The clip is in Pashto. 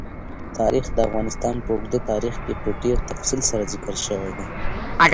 تاریخ د افغانستان په اوږده تاریخ کې په ډېر تفصیل سره ذکر شوی دی.